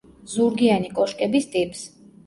ზურგიანი კოშკების ტიპს.